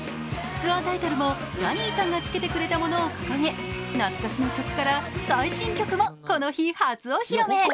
ツアータイトルもジャニーさんがつけてくれたものを掲げ懐かしの曲から最新曲も、この日初お披露目。